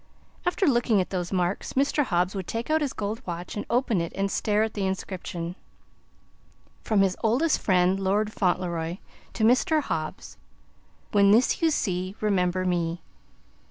After looking at those marks, Mr. Hobbs would take out his gold watch and open it and stare at the inscription: "From his oldest friend, Lord Fauntleroy, to Mr. Hobbs. When this you see, remember me."